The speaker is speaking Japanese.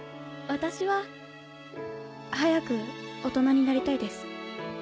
私は早く大人になりたいです。